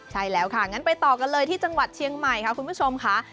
ใช่แล้วค่ะงั้นไปต่อกันเลยที่จังหวัดเชียงใหม่ค่ะคุณผู้ชมค่ะ